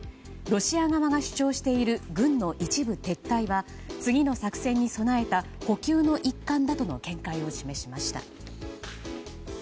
ロシア側が主張している軍の一部撤退は次の作戦に備えた補給の一環だとの見解を示しました。